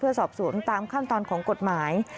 สอบสวนตามขั้นตอนของกฎหมาย